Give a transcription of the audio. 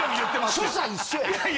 所作一緒や。